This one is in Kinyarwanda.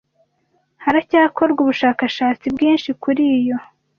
haracyakorwa ubushakashatsi bwinshi kuri yo